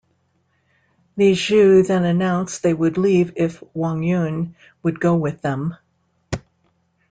Li Jue then announced they would leave if Wang Yun would go with them.